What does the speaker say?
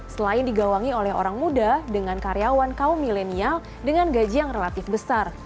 selain digawangi oleh orang muda dengan karyawan kaum milenial dengan gaji yang relatif besar